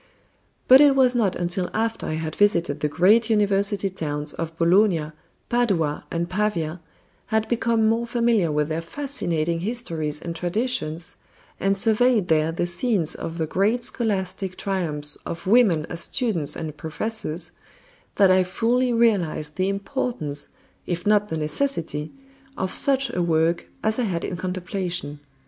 But it was not until after I had visited the great university towns of Bologna, Padua and Pavia, had become more familiar with their fascinating histories and traditions, and surveyed there the scenes of the great scholastic triumphs of women as students and professors, that I fully realized the importance, if not the necessity, of such a work as I had in contemplation.